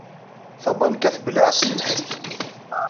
Tabanka tbelleɛ ass n lḥedd.